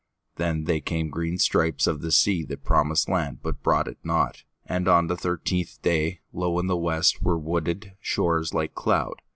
Then came green stripes of sea that promised landBut brought it not, and on the thirtieth dayLow in the West were wooded shores like cloud.